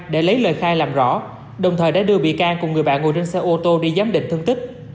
để lấy lời khai làm rõ đồng thời đã đưa bị can cùng người bạn ngồi trên xe ô tô đi giám định thương tích